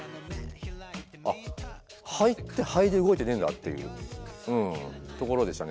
あっ肺って肺で動いてねえんだっていううんところでしたね。